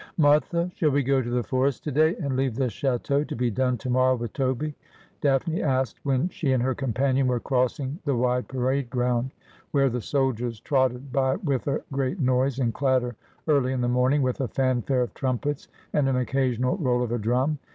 ' Martha, shall we go to the forest to day, and leave the chateau to be done to morrow with Toby?' Daphne asked, when she and her companion were crossing the wide parade ground, where the soldiers trotted by with a great noise and clatter early in the morning, with a fanfare of trumpets and an occasional roll of a drum.